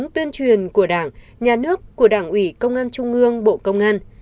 tuyên truyền của đảng nhà nước của đảng ủy công an trung ương bộ công an